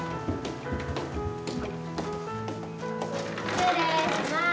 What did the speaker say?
失礼します。